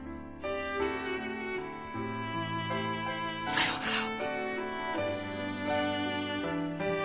さようなら。